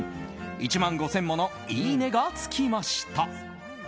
１万５０００ものいいねがつきました。